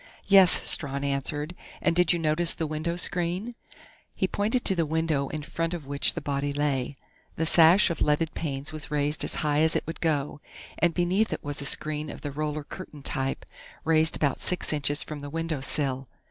"Yes," Strawn answered. "And did you notice the window screen?" He pointed to the window in front of which the body lay. The sash of leaded panes was raised as high as it would go, and beneath it was a screen of the roller curtain type, raised about six inches from the window sill.